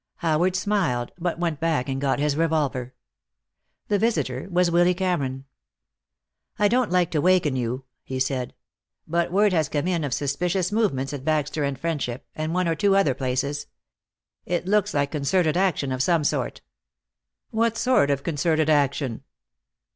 Howard smiled, but went back and got his revolver. The visitor was Willy Cameron. "I don't like to waken you," he said, "but word has come in of suspicious movements at Baxter and Friendship, and one or two other places. It looks like concerted action of some sort." "What sort of concerted action?"